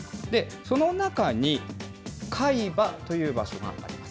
その中に海馬という場所があります。